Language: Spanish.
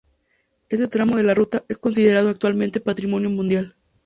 Este tramo de la ruta es considerado actualmente Patrimonio Mundial.